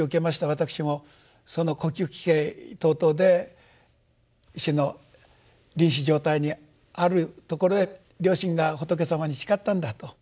私もその呼吸器系等々で死の臨死状態にあるところへ両親が仏様に誓ったんだと。